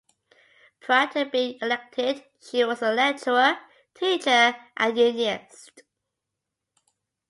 Prior to being elected she was a lecturer, teacher and unionist.